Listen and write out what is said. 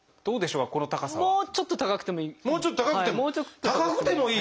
もうちょっと高くても高くてもいい？